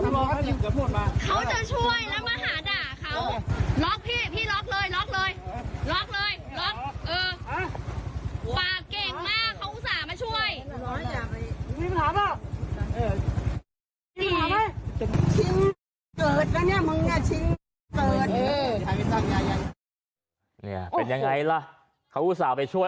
มึงอ่ะชิงเกิดเออเป็นยังไงล่ะเขาอุตส่าห์ไปช่วย